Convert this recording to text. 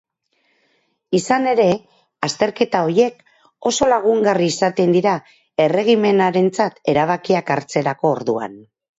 Izan ere, azterketa horiek oso lagungarri izaten dira erregimenarentzat erabakiak hartzerako orduan.